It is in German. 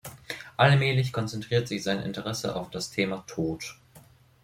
Allmählich konzentriert sich sein Interesse auf das Thema Tod.